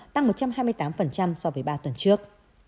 tăng một trăm hai mươi tám so với ba tuần trước